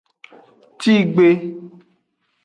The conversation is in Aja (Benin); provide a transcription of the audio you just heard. Tigbe.